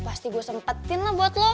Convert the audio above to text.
pasti gue sempetin lah buat lo